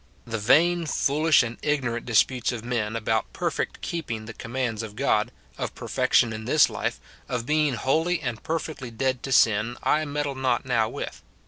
The vain, foolish, and ignorant disputes of men about perfect keep ing the commands of God, of perfection in this life, of being wholly and perfectly dead to sin, I meddle not now with.